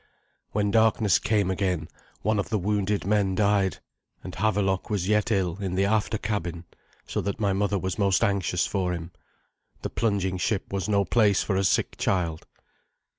When darkness came again one of the wounded men died, and Havelok was yet ill in the after cabin, so that my mother was most anxious for him. The plunging ship was no place for a sick child.